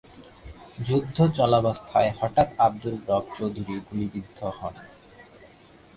যুদ্ধ চলাবস্থায় হঠাৎ আবদুর রব চৌধুরী গুলিবিদ্ধ হন।